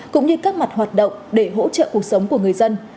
cũng như các mặt hoạt động để hỗ trợ cuộc sống của người dân